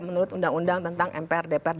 menurut undang undang tentang mpr dpr dpr